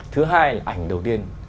thứ hai là ảnh đầu tiên